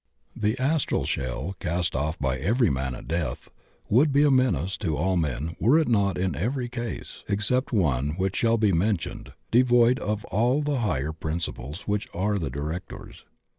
This astral shell, cast off by every man at death, would be a menace to all men were it not in every case, except one which shall be mentioned, devoid of all the higher princifdes which are the directors.